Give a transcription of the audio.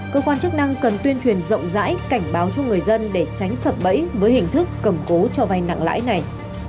cơ quan chức năng cần tuyên truyền rộng rãi cảnh báo cho người dân để tránh sập bẫy với hình thức cầm cố cho vay nặng lãi này